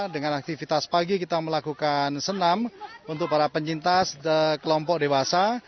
dengan aktivitas pagi kita melakukan senam untuk para penyintas kelompok dewasa